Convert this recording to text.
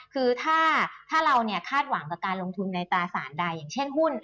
คือว่าคาดหวังกับลงทุนในตัวสารใดอย่างเช่นหุ้น